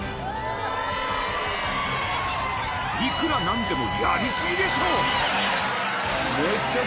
［いくら何でもやり過ぎでしょ］